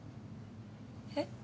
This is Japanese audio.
えっ？